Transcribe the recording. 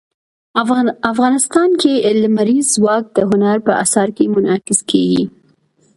افغانستان کې لمریز ځواک د هنر په اثار کې منعکس کېږي.